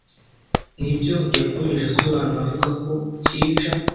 Ni byo yakomeje asobanura avuga ko cyica